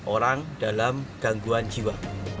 orang dalam gangguan jiwa